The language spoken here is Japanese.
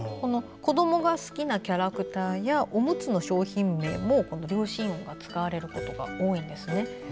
子どもが好きなキャラクターやおむつの商品名も両唇音が使われることが多いんです。